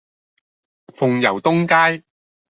鳳攸東街